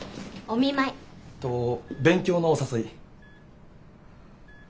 お見舞い。と勉強のお誘い。